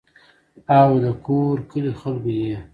او دَکور کلي خلقو ئې